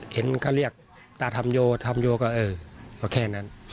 เห็นก็เรียกตาธรรมโยธัมโยก็เออก็แค่นั้น